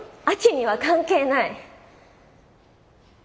亜紀には関係ない。